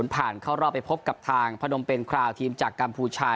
ผ่านเข้ารอบไปพบกับทางพนมเป็นคราวทีมจากกัมพูชา